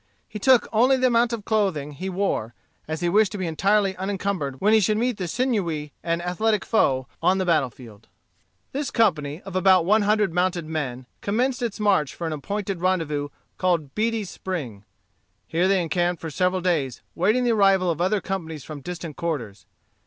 He took only the amount of clothing he wore, as he wished to be entirely unencumbered when he should meet the sinewy and athletic foe on the battle field. This company, of about one hundred mounted men, commenced its march for an appointed rendezvous called Beatty's Spring. Here they encamped for several days, waiting the arrival of other companies from distant quarters.